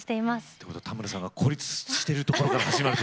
ということは田村さんが孤立してるところから始まる。